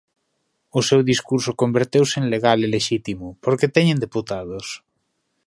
O seu discurso converteuse en legal e lexítimo, porque teñen deputados.